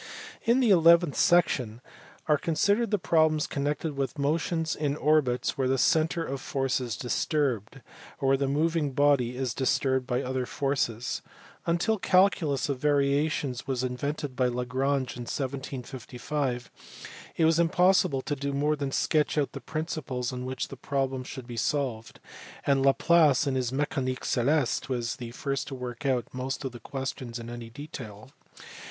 In the eleventh section are considered the problems connected with motion in orbits where the centre of force is disturbed, or where the moving body is disturbed by other forces. Until the calculus of variations was invented by Lagrange in 1755 it was impossible to do more than sketch out the principles on which the problem should be solved, and Laplace in his Mecanique celeste was the first to work out most of the questions in any detail.